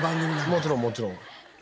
もちろんもちろん。